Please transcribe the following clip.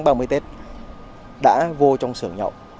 hôm sáng ba mươi tết đã vô trong xưởng nhậu